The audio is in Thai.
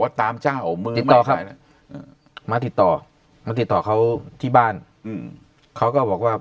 ว่าตามเจ้ามือมาติดต่อมาติดต่อเขาที่บ้านเขาก็บอกว่า